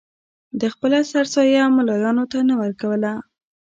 ده خپله سرسایه ملایانو ته نه ورکوله.